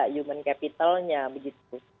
human capitalnya begitu